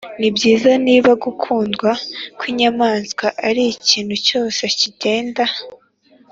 nibyiza, niba gukundwa kwinyamanswa arikintu cyose kigenda,